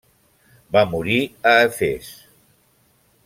Va morir a Efes.